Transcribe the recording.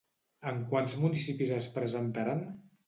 En quants municipis es presentaran?